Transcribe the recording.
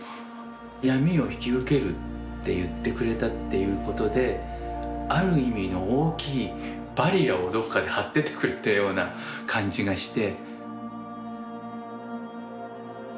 「闇を引き受ける」って言ってくれたっていうことである意味の大きいバリアをどっかで張っててくれたような感じがして。